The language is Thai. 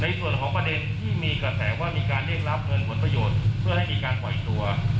ในส่วนของประเด็นที่มีกระแสว่ามีการเรียกรับเงินผลประโยชน์เพื่อให้มีการปล่อยตัว